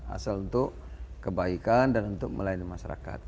asal untuk kebaikan dan untuk melayani masyarakat